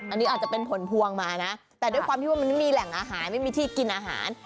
อันนี้อาจจะเป็นผลพวงมานะแต่ด้วยความที่ว่ามันไม่มีแหล่งอาหารไม่มีที่กินอาหาร